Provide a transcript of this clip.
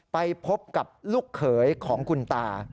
ไปพบกับลูกเขยของคุณตา